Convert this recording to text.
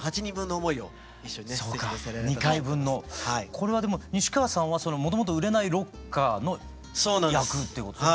これはでも西川さんはもともと売れないロッカーの役っていうことで。